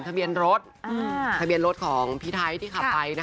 ทะเบียนรถทะเบียนรถของพี่ไทยที่ขับไป